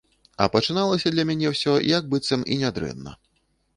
А пачыналася для мяне ўсё, як быццам і нядрэнна.